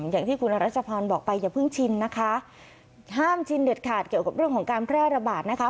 อย่างที่คุณรัชพรบอกไปอย่าเพิ่งชินนะคะห้ามชินเด็ดขาดเกี่ยวกับเรื่องของการแพร่ระบาดนะคะ